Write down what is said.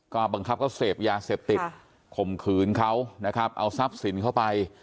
ก็บังคับเขาเสพยาเสพติดข่มขืนเขานะครับเอาทรัพย์สินเข้าไป